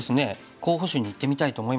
候補手にいってみたいと思います。